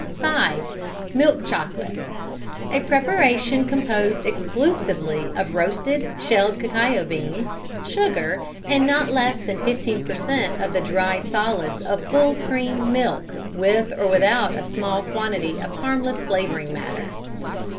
(5) Milk Chocolate. A preparation composed exclusively of roasted, shelled cacao beans, sugar, and not less than 15 per cent. of the dry solids of full cream milk, with or without a small quantity of harmless flavouring matter.